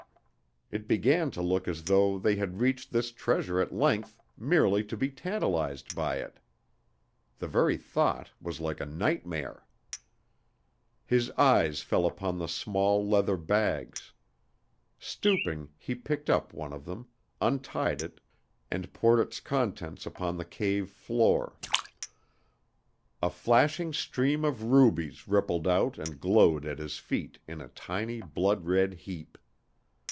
It began to look as though they had reached this treasure at length merely to be tantalized by it. The very thought was like a nightmare. His eyes fell upon the small leather bags. Stooping, he picked up one of them, untied it and poured its contents upon the cave floor; a flashing stream of rubies rippled out and glowed at his feet in a tiny, blood red heap.